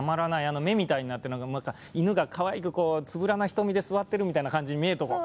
あの目みたいになってるのが犬がかわいくつぶらな瞳で座ってるみたいな感じに見えるとこ。